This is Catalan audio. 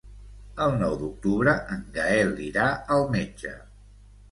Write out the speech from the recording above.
El nou d'octubre en Gaël irà al metge.